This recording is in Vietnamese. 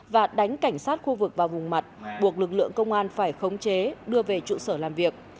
và đánh cảnh sát khu vực vào vùng mặt buộc lực lượng công an phải khống chế đưa về trụ sở làm việc